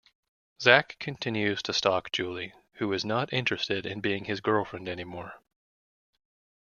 Zach continues to stalk Julie who is not interested in being his girlfriend anymore.